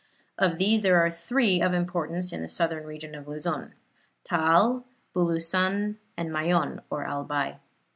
Of these there are three of importance in the southern region of Luzon Taal, Bulusan and Mayon or Albay.